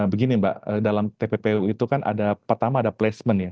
begini mbak dalam tppu itu kan ada pertama ada placement ya